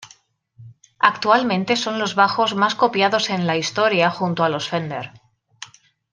Actualmente son los bajos más copiados en la historia junto a los Fender.